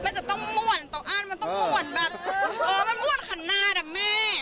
มันจะต้องม่วนต้องอ้านมันต้องม่วนแบบเออมันม่วนขนาดแม่